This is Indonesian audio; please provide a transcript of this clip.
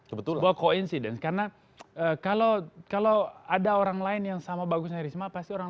sebuah koinsiden karena kalau ada orang lain yang sama bagus risma pasti orang